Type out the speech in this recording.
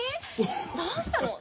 どうしたの？